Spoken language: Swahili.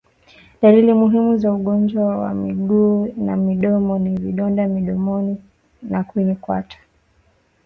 Dalili muhimu za ugonjwa wa miguu na midomo ni vidonda mdomoni na kwenye kwato